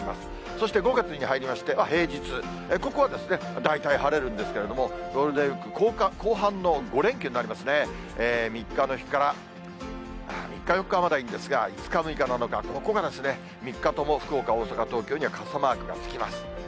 そして５月に入りまして平日、ここはですね、大体晴れるんですけれども、ゴールデンウィーク後半の５連休になりますね、３日の日から、３日、４日はまだいいんですが、５日、６日、７日、ここが３日とも福岡、大阪、東京には傘マークがつきます。